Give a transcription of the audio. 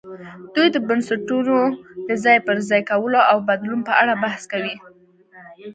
دوی د بنسټونو د ځای پر ځای کولو او بدلون په اړه بحث کوي.